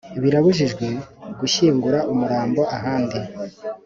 Birabujijwe gushyingura umurambo ahandi